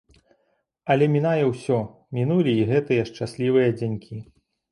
Але мінае ўсё, мінулі і гэтыя шчаслівыя дзянькі.